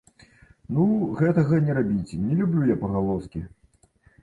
Ну, гэтага не рабіце, не люблю я пагалоскі.